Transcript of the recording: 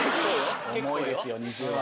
重いですよ２０は。